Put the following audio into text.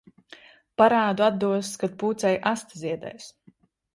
Parādu atdos, kad pūcei aste ziedēs.